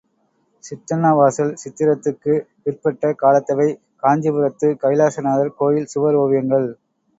சித்தன்னவாசல் சித்திரத்துக்கு பிற்பட்ட காலத்தவை காஞ்சிபுரத்துக் கைலாசநாதர் கோயில் சுவர் ஓவியங்கள்.